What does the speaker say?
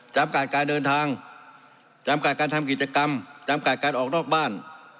จำกัดการเดินทางจำกัดการทำกิจกรรมจำกัดการออกนอกบ้าน